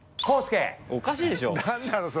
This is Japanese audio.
おかしいでしょ？